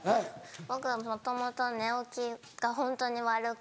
僕はもともと寝起きがホントに悪くて。